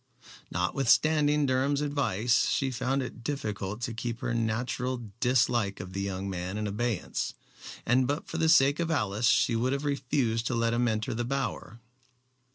Notwithstanding Durham's advice, she found it difficult to keep her natural dislike of the young man in abeyance, and but for the sake of Alice she would have refused to let him enter the Bower.